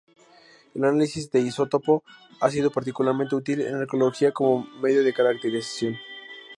El análisis de isótopo ha sido particularmente útil en arqueología como medio de caracterización.